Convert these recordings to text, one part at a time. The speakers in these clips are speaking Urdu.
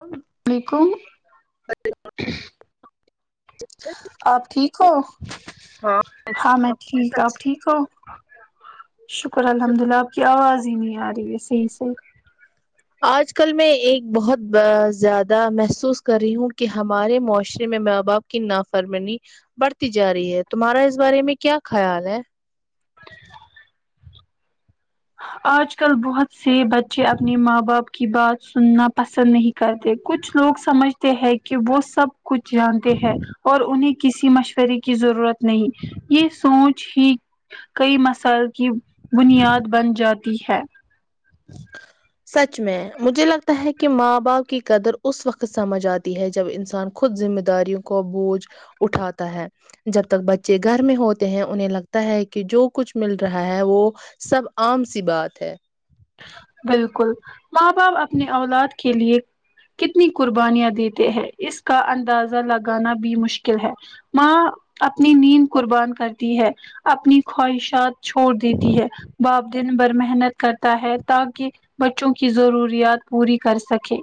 ا [inaudible] کو [inaudible] [inaudible] آپ ٹھیک ہو ہاں ہاں میں ٹھیک آپ ٹھیک ہو شکر الحمد للہ آپ کی آواز نہیں آ رہی ہے صحیح سے آج کل میں ایک بہت زیادہ محسوس کر رہی ہوں کہ ہمارے معاشرے میں ماں باپ کی نافرمنی بڑھتی جا رہی ہے تمہارا اس بارے میں کیا خیال ہے آج کل بہت سے بچے اپنی ماں باپ کی بات سننا پسند نہیں کرتے کچھ لوگ سمجھتے ہیں کہ وہ سب کچھ جانتے ہیں اور انہیں کسی مشورے کی ضرورت نہیں یہ سوچ ہی کئی مسائل کی بنیاد بن جاتی ہے سچ میں مجھے لگتا ہے کہ ماں باپ کی قدر اس وقت سمجھ آتی ہے جب انسان خود ذمہ داریوں کا بوجھ اٹھاتا ہے جب تک بچے گھر میں ہوتے ہیں انہیں لگتا ہے کہ جو کچھ مل رہا ہے وہ سب عام سی بات ہے بالکل ماں باپ اپنے اولاد کے لیے کتنی قربانیاں دیتے ہیں اس کا اندازہ لگانا بھی مشکل ہے ماں اپنی نیند قربان کرتی ہے اپنی خواہشات چھوڑ دیتی ہے باپ دن بھر محنت کرتا ہے تاکہ بچوں کی ضروریات پوری کر سکیں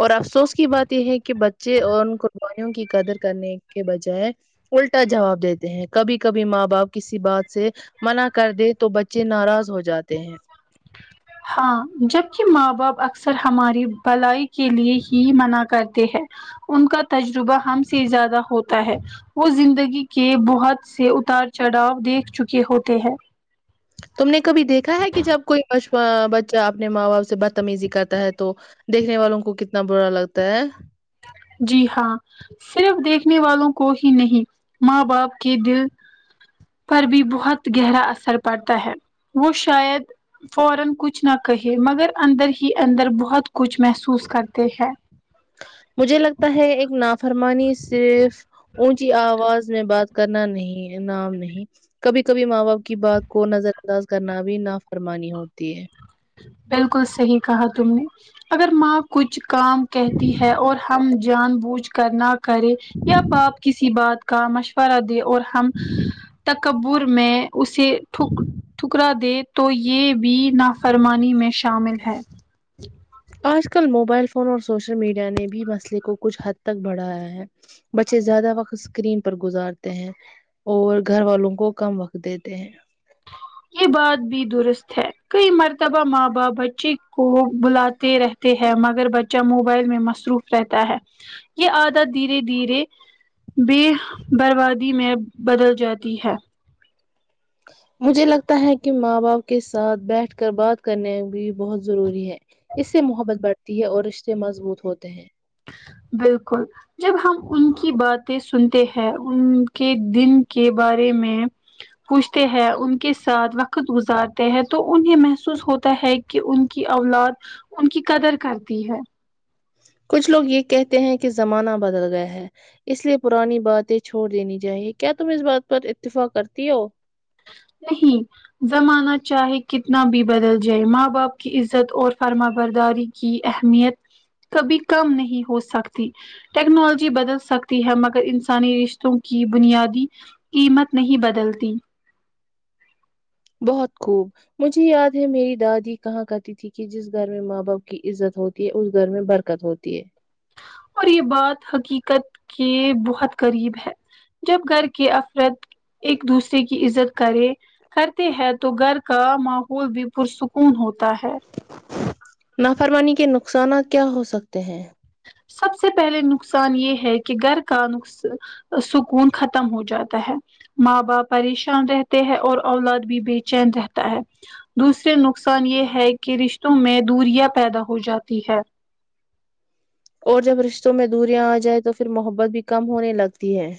اور افسوس کی بات یہ ہے کہ کہ بچے اور کو پانیوں کی قدر کرنے کے بجائے الٹا جواب دیتے ہیں کبھی کبھی ماں باپ کسی بات سے منع کر دے تو بچے ناراض ہو جاتے ہیں ہاں جبک ماں باپ اکثر ہماری بھلائی کے لیے ہی منع کرتے ہیں ان کا تجربہ ہم سے زیادہ ہوتا ہے وہ زندگی کے بہت سے اتار چڑھاؤ دیکھ چکے ہوتے ہیں تم نے کبھی دیکھا ہے کہ جب کوئی بچہ اپنے ماں باپ سے بدتمیزی کرتا ہے تو دیکھنے والوں کو کتنا برا لگتا ہے جی ہاں صرف دیکھنے والوں کو ہی نہیں ماں باپ کے دل پر بھی بہت گہرا اثر پڑتا ہے وہ شاید فورا کچھ نہ کہے مگر اندر ہی اندر بہت کچھ محسوس کرتے ہیں مجھے لگتا ہے ایک ناف فرمانی صرف اونچی آواز میں بات کرنا نہیں نام نہیں کبھی کبھی ماں باپ کی بات کو نظر انداز کرنا بھی نافرمانی ہوتی ہے بالکل صحیح کہا تم نے اگر ماں کچھ کام کہتی ہے اور ہم جان بوجھ کرنا کرے یا باپ کسی بات کا مشورہ دی اور ہم تک کبور میں اسے ک ٹھکرا د تو یہ بھی نہ فرمانی میں شامل ہے آج کل موبائل فون اور سوشل میڈیا نے بھی مسئلے کو کچھ حد تک بڑھایا ہے بچے زیادہ وقت اسکرین پر گزارتے ہیں اور گھر والوں کو کم وقت دیتے ہیں یہ بات بھی درست ہے کئی مرتبہ ماں باپ بچے کو بلاتے رہتے ہیں مگر بچہ موبائل میں مصروف رہتا ہے یہ عادت دھیرے دھیرے بے بربادی میں بدل جاتی ہے مجھے لگتا ہے کہ ماں باپ کے ساتھ بیٹھ کر بات کرنے بھی بہت ضروری ہے اس سے محبت بڑھتی ہے اور رشتے مضبوط ہوتے ہیں بالکل جب ہم ان کی باتیں سنتے ہیں ان کے دن کے بارے میں پوچھتے ہیں ان کے ساتھ وقت گزارتے ہیں تو انہیں محسوس ہوتا ہے کہ ان کی اولاد ان کی قدر کرتی ہے کچھ لوگ یہ کہتے ہیں کہ زمانہ بدل گیا ہے اس لیے پرانی باتیں چھوڑ دینی چاہیے کیا تم اس بات پر اتفاق کرتی ہو نہیں زمانہ چاہے کتنا بھی بدل جائے ماں باپ کی عزت اور فرما برداری کی اہمیت کبھی کم نہیں ہو سکتی ٹیکنالوجی بدل سکتی ہے مگر انسانی رشتوں کی بنیادی قیمت نہیں بدلتی بہت خوب مجھے یاد ہے میری دادی کہاں کرتی تھی کہ جس گھر میں ماں باپ کی عزت ہوتی ہے اس گھر میں برکت ہوتی ہے اور یہ بات حقیقت کے بہت قریب ہے جب گھر کے افرت ایک دوسرے کی عزت کرے کرتے ہے تو گھر کا ماحول بھی پرسکون ہوتا ہے نافرمانی کے نقصانات کیا ہو سکتے ہیں سب سے پہلے نقصان یہ ہے کہ گھر کا نقص سکون ختم ہو جاتا ہے ماں باپ پریشان رہتے ہیں اور اولاد بھی بے چین رہتا ہے دوسرے نقصان یہ ہے کہ رشتوں میں دوریا پیدا ہو جاتی ہے اور جب رشتوں میں دوریاں آ جائیں تو پھر محبت بھی کم ہونے لگتی ہے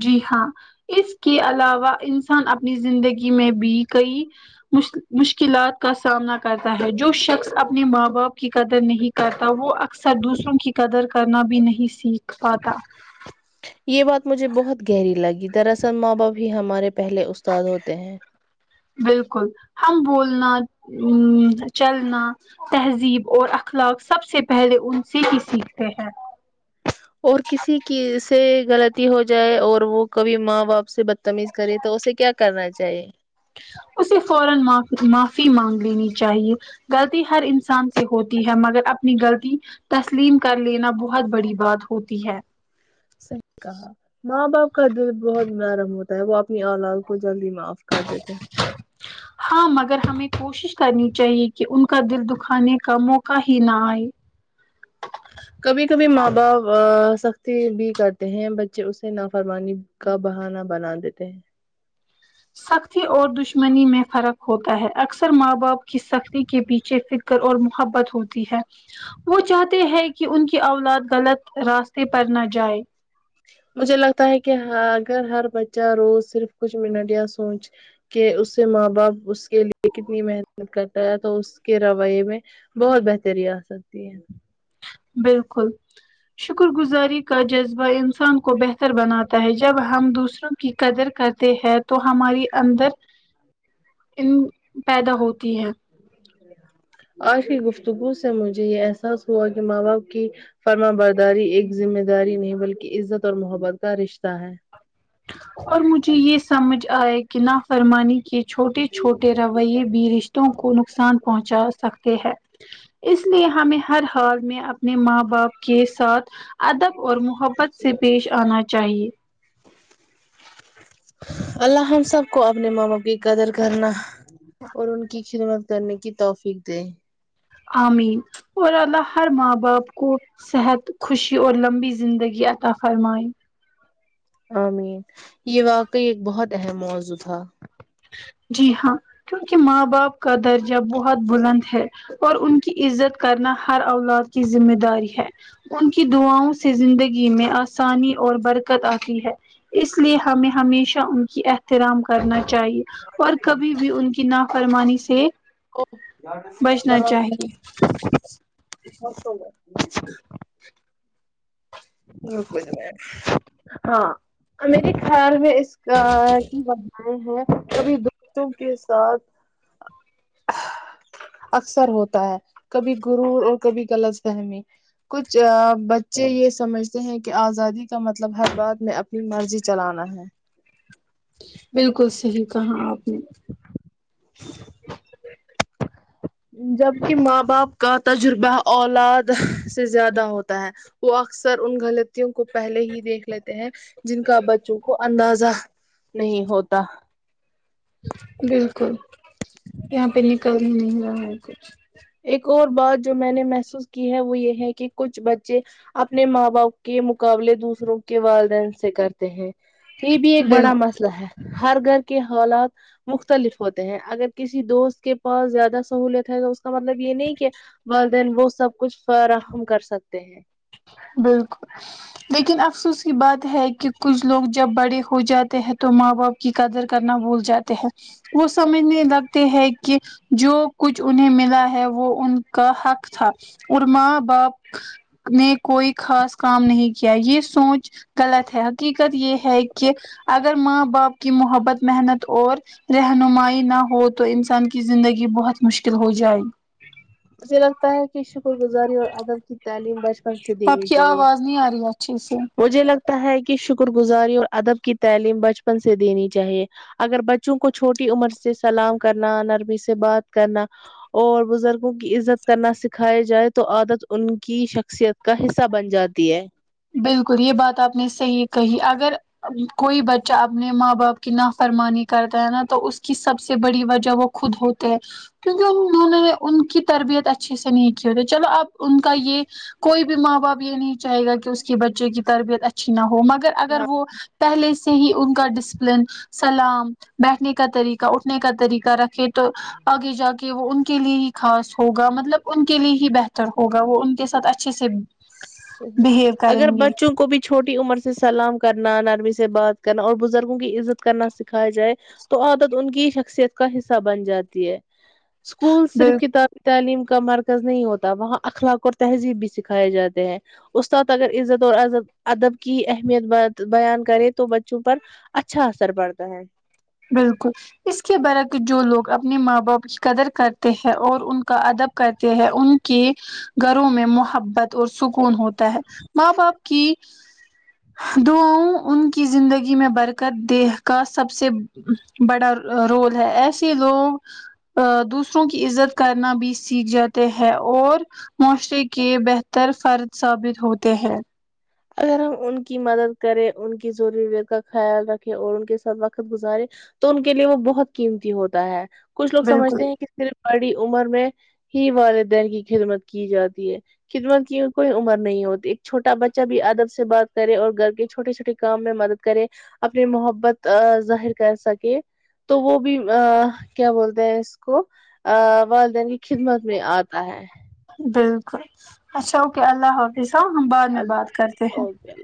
جی ہاں اس کے علاوہ انسان اپنی زندگی میں بھی کئی مشکلات کا سامنا کرتا ہے جو شخص اپنے ماں باپ کی قدر نہیں کرتا وہ اکثر دوسروں کی قدر کرنا بھی نہیں سیکھ پاتاتا یہ بات مجھے بہت گہری لگی دراصل ماں باپ ہی ہمارے پہلے استاد ہوتے ہیں بالکل ہم بولنا ا چلنا تہذیب اور اخلاق سب سے پہلے ان سے ہی سیکھتے ہیں اور کسی کی سے غلط ہو جائے اور وہ کبھی ماں باپ سے بدتمیز کرے تو اسے کیا کرنا چاہیے جی اسے فورا معافی مانگ لینی چاہیے غلطی ہر انسان سے ہوتی ہے مگر اپنی غلطی تسلیم کر لینا بہت بڑی بات ہوتی ہے صحیح کہا ماں باپ کا دل بہت نرم ہوتا ہے وہ اپنی اولد کو جلدی معاف کر دی تھ ہاں مگر ہمیں کوشش کرنی چاہیے کہ ان کا دل دکھانے کا موقع ہی نہ آئے کبھی کبھی ماں باپ سختی بھی کرتے ہیں بچے اسے نافرمانی کا بہانا بنا دیتے ہیں سختی اور دشمنی میں فرق ہوتا ہے اکثر ماں باپ کی سختی کے پیچھے فکر اور محبت ہوتی ہے وہ چاہتے ہیں کہ ان کی اولاد غلط راستے پر نہ جائے مجھے لگتا ہے کہ اگر ہر بچہ روز صرف کچھ منٹ یا سوچ کہ اس سے ماں باپ اس کے لیے کتنی محنت کرتا ہے تو اس کے رویے میں بہت بہتری آ سکتی ہے بالکل شکر گزاری کا جذبہ انسان کو بہتر بناتا ہے جب ہم دوسروں کی قدر کرتے ہیں تو ہماری اندر ان پیدا ہوتی ہے آج کی گفتگو سے مجھے یہ احساس ہوا کہ ماں باپ کی فرما برداری ایک ذمہ داری نہیں بلکہ عزت اور محبت کا رشتہ ہے اور مجھے یہ سمجھ آیا کہ نا فرمانی کی چھوٹے چھوٹے رویے بھی رشتوں کو نقصان پہنچا سکتے ہیں جی اس لیے ہمیں ہر ہال میں اپنے ماں باپ کے ساتھ ادب اور محبت سے پیش آنا چاہیے اللہ ہم ہم سب کو اپنے ماںاپ کی قدر کرنا اوررن کی خدمت کرنے کی توفیق دے آمین اور اللہ ہر ماں باپ کو صحت خوشی اور لمبی زندگی عطا فرمائ عمین یہ واقعی ایک بہت اہم موضوع تھا جی ہاں کیونکہ ماں باپ کا درجہ بہت بلند ہے اور ان کی عزت کرنا ہر اولاد کی ذمہ داری ہے ان کی دعاؤں سے زندگی میں آسانی اور برکت آتی ہے اس لیے ہمیں ہمیشہ ان کی احترام کرنا چاہیے اور کبھی بھی ان کی ن فرمانی سے ا بچنا درواز چاہیے ہ چلو ہاں میرے خیال میں اس ہاں کبھی دوستوں کے ساتھ اکثر ہوتا ہے کبھی گر اور کبھی غلط فہمی کچھ بچے یہ سمجھتے ہیں کہ آزادی کا مطلب ہر بات میں اپنی مرضی چلانا ہے بالکل صحیح کہااں آپ نے جبک ماں باپ کا تجربہ اولاد سے زیادہ ہوتا ہے وہ اکثر ان غلطیوں کو پہلے ہی دیکھ لیتے ہیں جن کا بچوں کو اندازہ نہیں ہوتا بالکل یہاں پہ نہیں کر ہی نہیں رہا ہے کچھ ایک اور بات جو میں نے محسوس کی ہے وہ یہ ہے کہ کچھ بچے اپنے ماں باپ کے مقابلے دوسروں کے والدین سے کرتے ہیں یہ بھی ایک بالکل بڑا مسئلہ ہے ہر گھر کے حالات مختلف ہوتے ہیں اگر کسی دوست کے پاس زیادہ سہولت ہے تو اس اس کا مطلب یہ نہیں کہ دین وہ سب کچھ فراہم کر سکتے ہیں بالکل لیکن افسوص کی بات ہے کہ کچھ لوگ جب بڑے ہو جاتے ہیں تو ماں باپ کی قدر کرنا بھول جاتے ہیں وہ سمجھنے لگتے ہیں کہ جو کچھ انہیں ملا ہے وہ ان کا حق تھا اور ماں باپ نے کوئی خاص کام نہیں کیا یہ سوچ غلط ہے حقیقت یہ ہے کہ اگر ماں باپ کی محبت محنت اور رہنمائی نہ ہو تو انسان کی زندگی بہت مشکل ہو جائے مے لگتا ہے کہ شکر گزاری اور عدب کی تعلیم بچپن سے آپ دینی کی چاہیے آواز نہیں آ رہی اچھے سے مجھے لگتا ہے کہ شکر گزاری اور ادب کی تعلیم بچپن سے دینی چاہیے اگر بچوں کو چھوٹی عمر سے سلام کرنا نرمی سے بات کرنا اور بزرگ لوگوں کی عزت کرنا سکھائی جائے تو عادت ان کی شخصیت کا حصہ بن جاتی ہے بالکل یہ بات آپ نے صحیح کہی اگر کوئی بچہ اپنے ماں باپ کی نافرمانی کرتا ہے نا تو اس کی سب سے بڑی وجہ وہ خود ہوتے ہے کیونکہ انہوں نے ان کی تربیت اچھی سے نہیں کی ہوتی چلو آپ ان کا یہ کوئی بھی ماں باپ یہ نہیں چاہے گا کہ اس کہ بچوں کی تربیت اچھی نہ ہو مگر اگر ہاں وہ پہلے سے ہی ان کا ڈسپلن سلام بیٹھنے کا طریقہ اٹھنے کا طریقہ رکھے آگے جا کے وہ ان کے لیے ہی خاص ہوگا مطلب ان کے لیے ہی بہتر ہوگا وہ ان کے ساتھ اچھے سے صیح بہیو کریں اگر گے بچوں کو بھی چوٹی عمر سے سلا ل کرنا نرمی سے بات کرنا اور بزرگوں کی عزت کرنا سکھاائی جائے تو عادت ان کی شخصیت کا حصہ بن جاتی ہے اسکول صرف بالکل کتاب تعلیم کا مرکز نہیں ہوتا وہاں اخلاق اور تہذیب بھی سکھائے جاتے ہیں استاد اگر عزت اور ادب کی اہمیت بیان کرے تو بچوں پر اچھا اثر پڑتا ہے بالکل اس کے برعک جو لوگ اپنے ماں باپ کی قدر کرتے ہیں اور ان کا ادب کرتے ہیں ان کے گھروں میں محبت اور سکون ہوتا ہے ماں باپ کی دا ان کی زندگی میں برکت دہ کا سب سے بڑا رول ہے ایسے لوگ دوسروں کی عزت کرنا بھی سیکھ جاتے ہیں اور معاشرے کے بہتر فرد ثابت ہوتے ہیں اگر ہم ان کی مدد کریں ان کی ضرورت کا خیال رکھیں اور ان کے ساتھ وقت گزارے تو ان کے لیے وہ بہت قیمتی ہوتا ہے کچھ لوگ بالکل سمجتے ہیں کہ ک باڑی عمر میں ہی والدین کی خدمت کی جاتی ہے خدمت کی کوئی عمر نہیں ہوتی ایک چھوٹا بچہ جبھی ادب سے بات کرے اور گھر کے چھوٹے چھوٹے کام میں مدد کرے اپنی محبت ظاہر کر سکے تو وہ بھی کیا بولتے ہیں اس کو والدین کی خدمت میں آتا ہے بالکل اچھا اوکے اللہ حافظ تب ہم بعد میں اللہ بات کرتے ہیں اوکے اللہ